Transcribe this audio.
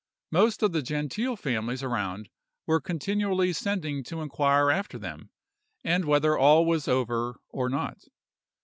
Most of the genteel families around were continually sending to inquire after them, and whether all was over or not.